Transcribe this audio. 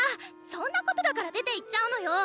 そんなことだから出ていっちゃうのよ！